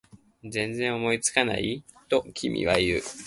全然思いつかない？と君は言う